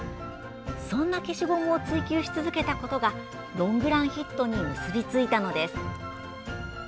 そんな消しゴムを追求し続けたことがロングランヒットに結び付いたのです。